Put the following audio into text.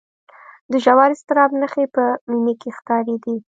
د ژور اضطراب نښې په مينې کې ښکارېدې